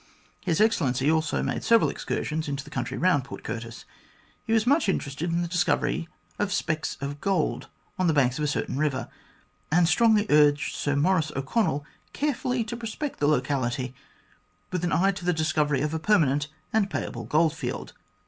His Excellency also made several excursions into the country around Port Curtis. He was much interested in the discovery of specks of gold on the banks of a certain river, and strongly urged Sir Maurice O'Connell carefully to prospect the locality with an eye to the discovery of a permanent and payable goldfield.